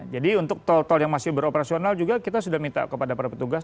jadi untuk tol tol yang masih beroperasional juga kita sudah minta kepada para petugas